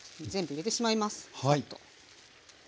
入れてしまいます。